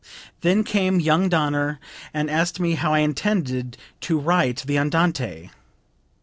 Then came young Danner and asked me how I intended to write the Andante.